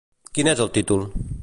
Quin és el títol?